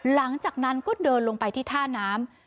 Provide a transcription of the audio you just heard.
หลังจากนั้นก็เดินลงไปที่ท่าน้ำ